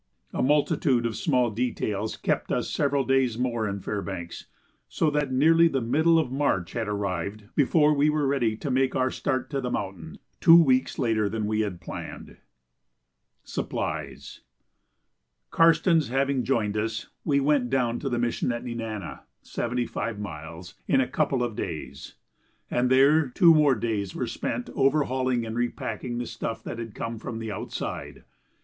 A multitude of small details kept us several days more in Fairbanks, so that nearly the middle of March had arrived before we were ready to make our start to the mountain, two weeks later than we had planned. [Sidenote: Supplies] Karstens having joined us, we went down to the mission at Nenana (seventy five miles) in a couple of days, and there two more days were spent overhauling and repacking the stuff that had come from the outside.